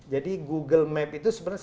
jadi google map itu sebenarnya